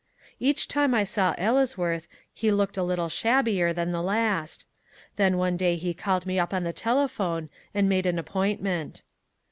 Each time I saw Ellesworth he looked a little shabbier than the last. Then one day he called me up on the telephone, and made an appointment.